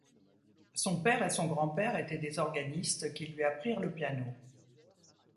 Son père et son grand-père étaient des organistes qui lui apprirent le piano.